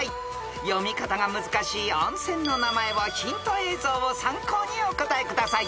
［読み方が難しい温泉の名前をヒント映像を参考にお答えください］